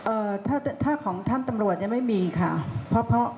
เอ่อถ้าถ้าของท่านตำรวจยังไม่มีค่ะเพราะเพราะ